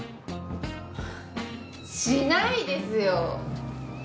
はぁしないですよ。